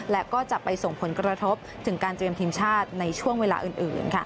และก็จะไปส่งผลกระทบถึงการเตรียมทีมชาติในช่วงเวลาอื่น